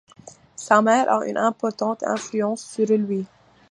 Sa mère a une importante influence sur lui.